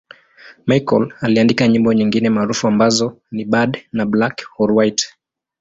Michael aliandika nyimbo nyingine maarufu ambazo ni 'Bad' na 'Black or White'.